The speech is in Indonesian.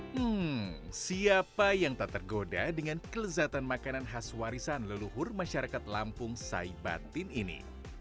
hmm siapa yang tak tergoda dengan kelezatan makanan khas warisan leluhur masyarakat lampung saibatin ini